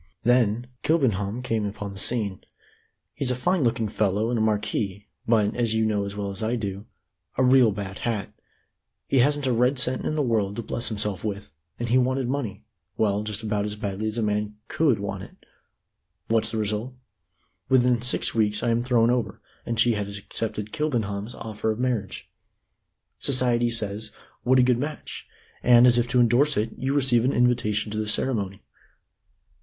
"Then Kilbenham came upon the scene. He's a fine looking fellow and a marquis, but, as you know as well as I do, a real bad hat. He hasn't a red cent in the world to bless himself with, and he wanted money well just about as badly as a man could want it. What's the result? Within six weeks I am thrown over, and she has accepted Kilbenham's offer of marriage. Society says 'What a good match!' and, as if to endorse it, you receive an invitation to the ceremony."